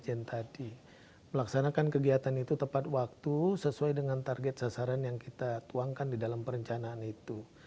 jadi melaksanakan kegiatan itu tepat waktu sesuai dengan target sasaran yang kita tuangkan di dalam perencanaan itu